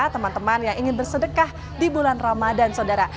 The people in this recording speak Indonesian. teman teman yang ingin bersedekah di bulan ramadan saudara